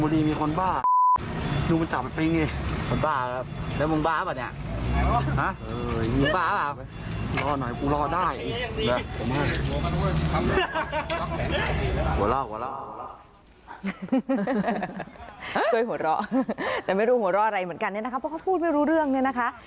หัวเราะแต่ไม่รู้หัวเราะอะไรเหมือนกันเนี่ยนะคะเพราะเขาพูดไม่รู้เรื่องเนี่ยนะคะ